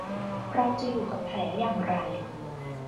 เราจะอยู่กับแผลอย่างไร ?